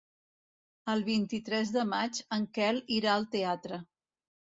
El vint-i-tres de maig en Quel irà al teatre.